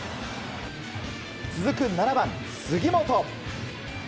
続く７番、杉本。